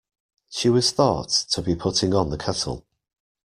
She was thought to be putting on the kettle.